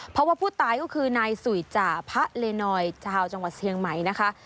เพราะว่าผู้ตายก็คือนายสุยจ่าพระเลนอยชาวจังหวัดเชียงใหม่นะคะ